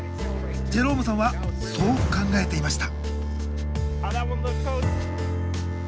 ジェロームさんはそう考えていました。